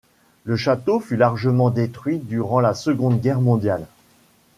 Le château fut largement détruit durant la Seconde Guerre mondiale.